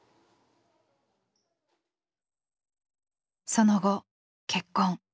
その後結婚。